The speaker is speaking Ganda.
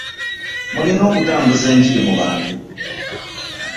Mulina okutambuza enjiri mu abantu.